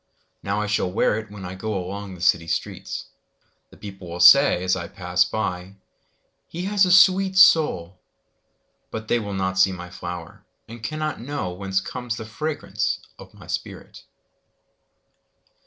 Now I shall wear itWhen I goAlong the city streets:The people will sayAs I pass by—"He has a sweet soul!"They will not see my flower, And cannot knowWhence comes the fragrance of my spirit!